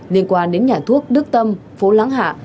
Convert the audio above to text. liên quan đến nhà thuốc đức tâm phố láng hạ